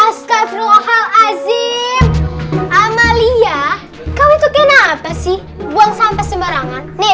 astagfirullahaladzim amalia kamu itu kenapa sih buang sampah sembarangan nih